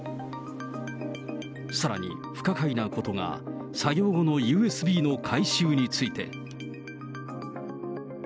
さらに、不可解なことが作業後のＵＳＢの回収について。